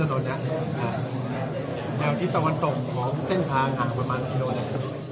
แนวที่ตะวันตกเหล่าน่าวางครอบมาก๑นะครับ